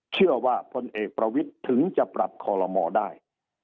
เชื่อว่าพลเอกประวิทธ์ถึงจะปรับขอรมอได้